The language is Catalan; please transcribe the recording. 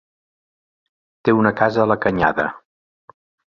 Té una casa a la Canyada.